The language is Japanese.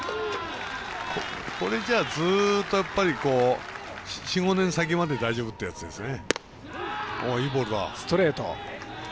これじゃ、ずっと４５年先まで大丈夫ってやつですね。